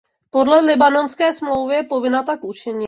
Podle Lisabonské smlouvy je povinna tak učinit.